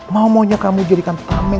mau maunya kamu jadikan tame